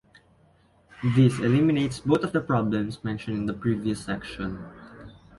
This eliminates both of the problems mentioned in the previous section.